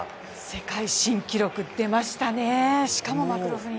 世界新記録出ましたね。